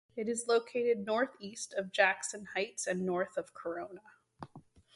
It is located northeast of Jackson Heights and north of Corona.